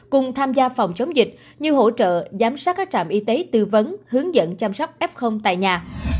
cùng tham gia phòng chống dịch như hỗ trợ giám sát các trạm y tế tư vấn hướng dẫn chăm sóc f tại nhà